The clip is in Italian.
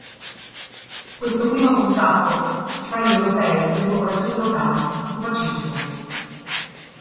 Questo primo contatto fra gli europei e le popolazioni locali fu pacifico.